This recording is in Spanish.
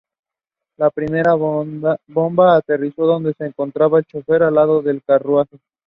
La primera bomba aterrizó donde se encontraba el chofer, al lado del carruaje.